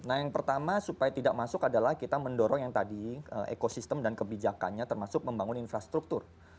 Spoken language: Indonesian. nah yang pertama supaya tidak masuk adalah kita mendorong yang tadi ekosistem dan kebijakannya termasuk membangun infrastruktur